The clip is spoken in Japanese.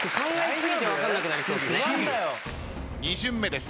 ２巡目です。